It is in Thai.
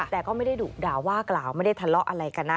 แต่ก็ไม่ได้ดุด่าว่ากล่าวไม่ได้ทะเลาะอะไรกันนะ